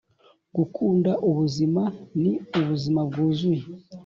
gukunda ubuzima ni ubuzima bwuzuye